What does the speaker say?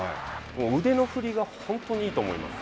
腕の振りが、本当にいいと思います。